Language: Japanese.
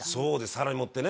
皿に盛ってね。